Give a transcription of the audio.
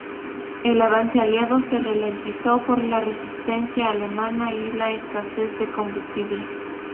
El avance aliado se ralentizó por la resistencia alemana y la escasez de combustible.